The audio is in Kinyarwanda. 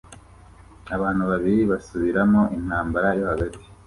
Abantu babiri basubiramo intambara yo hagati